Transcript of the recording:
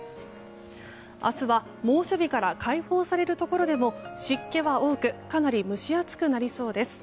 明日は猛暑日から解放されるところでも湿気は多くかなり蒸し暑くなりそうです。